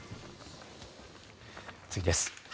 次です。